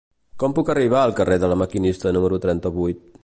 Com puc arribar al carrer de La Maquinista número trenta-vuit?